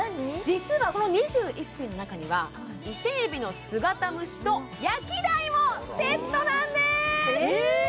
実はこの２１品の中にはイセエビの姿蒸と焼鯛もセットなんですえ！？